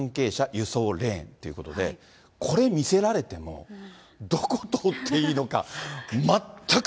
輸送レーンということで、これ見せられても、どこ通っていいのか、全く。